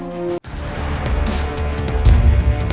โดย